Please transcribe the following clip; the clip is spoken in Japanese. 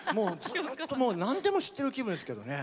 何でも知ってる気分ですけどね。